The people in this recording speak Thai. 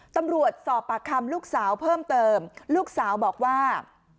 ตำรวจสอบปากคำลูกสาวเพิ่มเติมลูกสาวบอกว่า